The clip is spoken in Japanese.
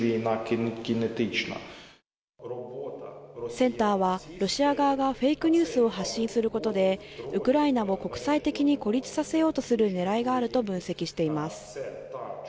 センターは、ロシア側がフェイクニュースを発信することで、ウクライナも国際的に孤立させようとする狙いがあると分析しています。